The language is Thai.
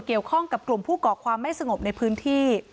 กับกลุ่มผู้เกาะความไม่สงบในพื้นที่